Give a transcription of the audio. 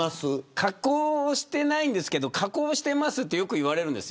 加工をしてないんですけど加工してますってよく言われるんです。